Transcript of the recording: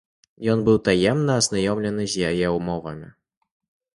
Ён быў таемна азнаёмлены з яе ўмовамі.